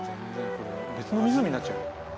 別の湖になっちゃう。